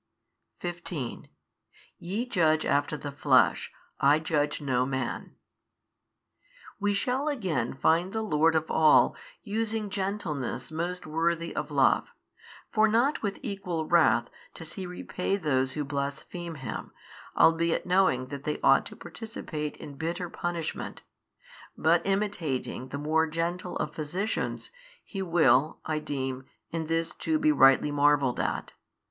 |569 15 YE judge after the flesh, I judge no man. We shall again find the Lord of all using gentleness most worthy of love; for not with equal wrath does He repay those who blaspheme Him, albeit knowing that they ought to participate in bitter punishment: but imitating the more gentle of physicians, He will (I deem) in this too be rightly marvelled at.